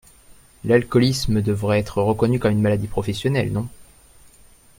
L’alcoolisme devait être reconnu comme maladie professionnelle, non ?